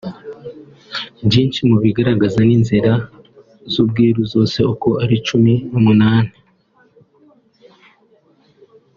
Byinshi mu bigaragazwa n’inzira z’Ubwiru zose uko ari cumi n’umunani